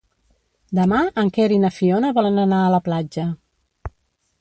Demà en Quer i na Fiona volen anar a la platja.